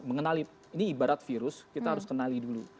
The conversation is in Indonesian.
mengenali ini ibarat virus kita harus kenali dulu